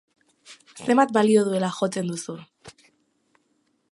Zenbat balio duela jotzen duzu?